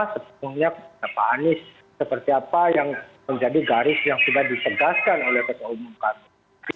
setelahnya pak anies seperti apa yang menjadi garis yang sudah disegaskan oleh kota umum kami